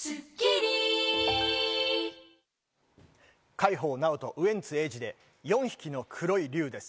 海宝直人、ウエンツ瑛士で『四匹の黒い竜』です。